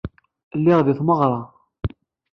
Lliɣ di tmeɣra.